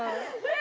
え！